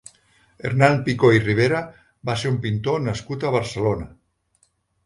Hernan Picó i Ribera va ser un pintor nascut a Barcelona.